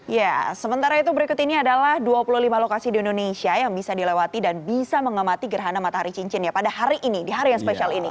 ya sementara itu berikut ini adalah dua puluh lima lokasi di indonesia yang bisa dilewati dan bisa mengamati gerhana matahari cincin ya pada hari ini di hari yang spesial ini